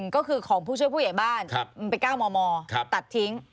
ก็คือของผู้ช่วยผู้ใหญ่บ้านมันเป็น๙มมตัดทิ้ง